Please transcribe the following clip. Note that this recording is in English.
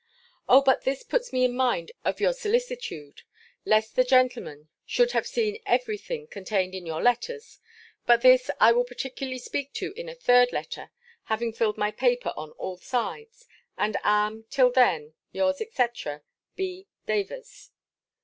O but this puts me in mind of your solicitude, lest the gentlemen should have seen every thing contained in your letters But this I will particularly speak to in a third letter, having filled my paper on all sides: and am, till then,_ yours_, &c. B. DAVERS.